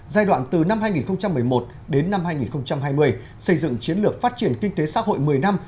giai đoạn từ năm hai nghìn một mươi một đến năm hai nghìn hai mươi xây dựng chiến lược phát triển kinh tế xã hội một mươi năm